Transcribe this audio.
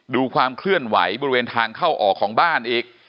ดูความเคลื่อนไหวบริเวณทางเข้าออกของบ้านอีก